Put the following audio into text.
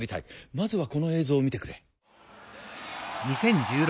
まずはこの映像を見てくれ。